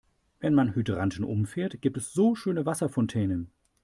Wenn man Hydranten umfährt, gibt es so schöne Wasserfontänen.